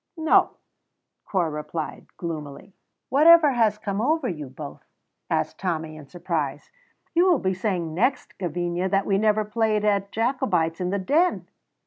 "No," Corp replied gloomily. "Whatever has come over you both?" asked Tommy, in surprise. "You will be saying next, Gavinia, that we never played at Jacobites in the Den!"